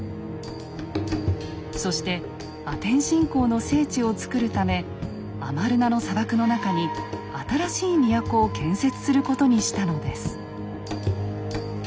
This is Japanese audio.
そしてアテン信仰の聖地をつくるためアマルナの砂漠の中に新しい都を建設することにしたのです。